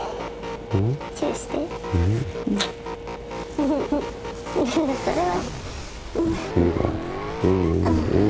ウフフそれは。